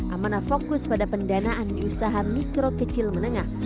amana fokus pada pendanaan usaha mikro kecil menengah